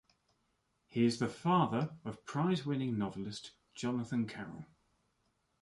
He is the father of prize-winning novelist Jonathan Carroll.